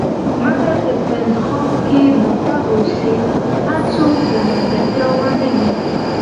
د ملګرو په انتخاب کښي محتاط اوسی، هرڅوک د ملګرتیا وړ نه وي